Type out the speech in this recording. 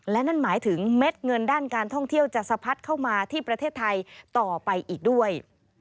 และนั่นหมายถึงเม็ดเงินด้านการท่องเที่ยวจะสะพัดเข้ามาที่ประเทศไทยต่อไปอีกด้วย